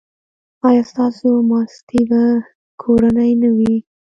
ایا ستاسو ماستې به کورنۍ نه وي؟